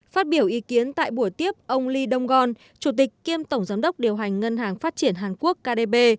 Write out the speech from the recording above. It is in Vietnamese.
phát biểu ý kiến tại buổi tiếp ông lee dong gon chủ tịch kiêm tổng giám đốc điều hành ngân hàng phát triển hàn quốc kdb